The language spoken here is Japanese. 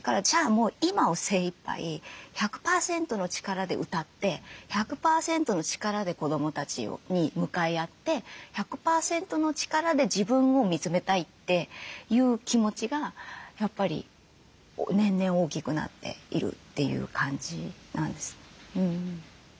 もう今を精いっぱい１００％の力で歌って１００％の力で子どもたちに向かい合って１００％の力で自分を見つめたいっていう気持ちがやっぱり年々大きくなっているという感じなんです。